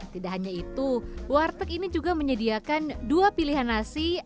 tidak hanya itu warteg ini juga menyediakan dua pilihan nasi